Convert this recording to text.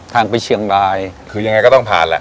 ทางไปเชียงรายคือยังไงก็ต้องผ่านแหละ